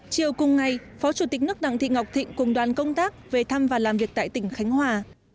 chiều cùng ngày phó chủ tịch nước đặng thị ngọc thịnh cùng đoàn công tác về thăm và làm việc tại tỉnh khánh hòa